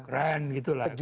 keren gitu lah